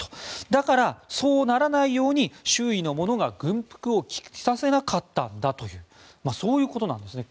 だから、そうならないように周囲の者が軍服を着させなかったんだというそういうことなんですね。